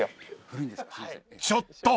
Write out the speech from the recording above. ［ちょっと！